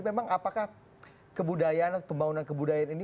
memang apakah kebudayaan atau pembangunan kebudayaan ini